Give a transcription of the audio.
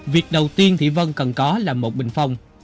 việc đầu tiên thị vân cần có là một bình phong